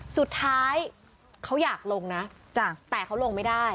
สุดท้ายเขาอยากลงนะแต่เขาลงไม่ได้